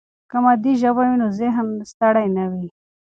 که مادي ژبه وي، نو ذهن ستړي نه وي.